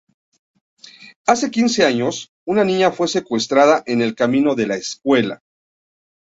Hace quince años, una niña fue secuestrada en el camino de la escuela.